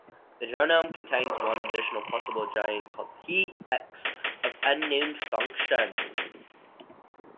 The genome contains one additional possible gene, called pX, of unknown function.